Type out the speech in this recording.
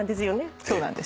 そうなんです。